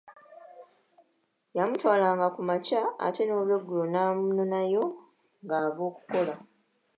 Yamutwalanga ku makya ate n’olweggulo n’amunonayo ng’ava okukola.